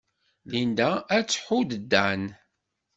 Linda ad tḥudd Dan.